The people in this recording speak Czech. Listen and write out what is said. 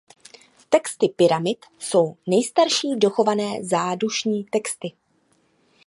Texty pyramid jsou nejstarší dochované zádušní texty.